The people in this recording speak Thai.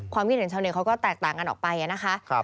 คิดเห็นชาวเน็ตเขาก็แตกต่างกันออกไปนะคะ